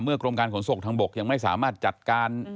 กรมการขนส่งทางบกยังไม่สามารถจัดการ